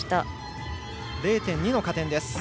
０．２の加点です。